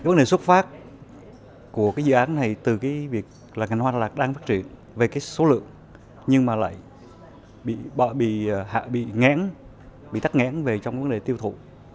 những doanh nghiệp đối với khối lượng nhưng lại bị ngán bị tắt ngán về trong vấn đề tiêu thụ